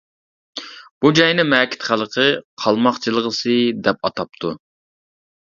بۇ جاينى مەكىت خەلقى «قالماق جىلغىسى» دەپ ئاتاپتۇ.